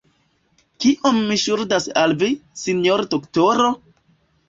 Kiom mi ŝuldas al vi, sinjoro doktoro?